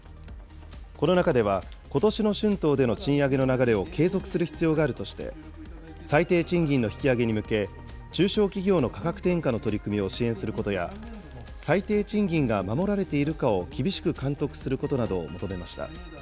この中では、ことしの春闘での賃上げの流れを継続する必要があるとして、最低賃金の引き上げに向け、中小企業の価格転嫁の取り組みを支援することや、最低賃金が守られているかを厳しく監督することなどを求めました。